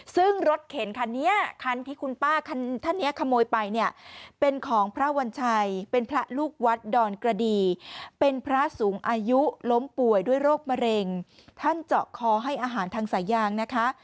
ซึ่งรถเข็นคันนี้คันที่คุณป้าท่านนี้ขโมยไปเนี่ยเป็นของพระวัญชัยเป็นพระลูกวัดดอนกระดีเป็นพระสูงอายุล้มป่วยด้วยโรคมะเร็งท่านเจาะคอให้อาหารทางสายางนะคะ